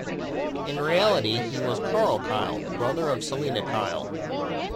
In reality, he was Karl Kyle, brother of Selina Kyle.